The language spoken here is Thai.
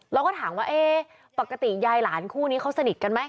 เราก็ถามว่าเอ๊ะปกติยายหลานคู่นี้เขาสนิทกันไหม